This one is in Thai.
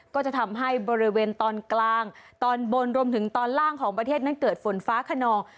ก็จะทำให้บริเวณตอนกลางตอนบนรวมถึงตอนล่างของประเทศนั้นเกิดฝนฟ้าขนอง